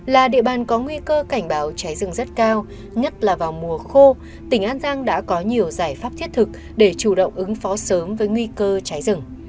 là địa bàn có nguy cơ cảnh báo cháy rừng rất cao nhất là vào mùa khô tỉnh an giang đã có nhiều giải pháp thiết thực để chủ động ứng phó sớm với nguy cơ cháy rừng